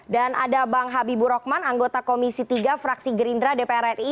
dan ada bang habibur rokman anggota komisi tiga fraksi gerindra dpr ri